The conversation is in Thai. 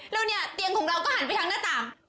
แล้วเนี่ยเตียงของเราก็หันไปทางหน้าต่าง